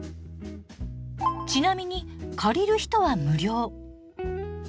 ちなみに借りる人は無料。